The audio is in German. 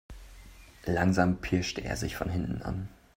Langsam pirschte er sich von hinten an.